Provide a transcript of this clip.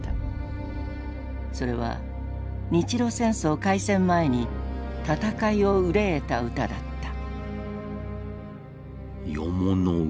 それは日露戦争開戦前に戦いを憂えた歌だった。